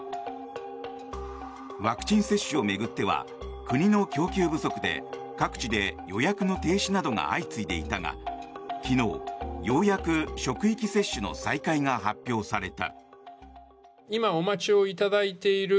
ワクチン接種を巡っては国の供給不足で各地で予約の停止などが相次いでいたが昨日、ようやく職域接種の再開が発表された。